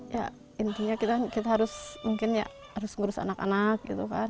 ya intinya kita harus ngurus anak anak gitu kan